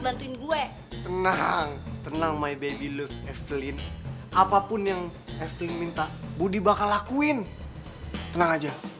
bantuin gue tenang tenang my baby love evelyn apapun yang evelyn minta budi bakal lakuin tenang aja